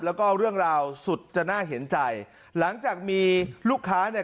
แล้วก็เรื่องราวสุดจะน่าเห็นใจหลังจากมีลูกค้าเนี่ย